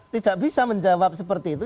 tidak bisa menjawab seperti itu